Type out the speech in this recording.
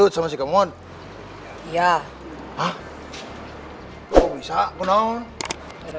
untuk bisa ya maklumin abah gitu kan